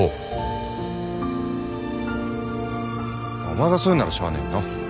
お前がそう言うんならしゃあねえな。